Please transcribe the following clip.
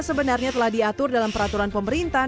sebenarnya telah diatur dalam peraturan pemerintah